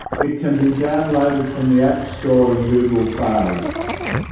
It can be downloaded from the App Store and Google Play.